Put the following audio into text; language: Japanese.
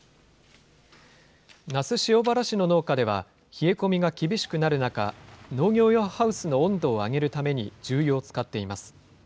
那須塩原市の農家では、冷え込みが厳しくなる中、農業用ハウスの温度を上げるために重油を使っています。